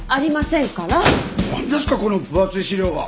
何ですかこの分厚い資料は。